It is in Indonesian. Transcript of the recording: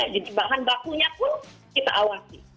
jadi bahan bakunya pun kita awasi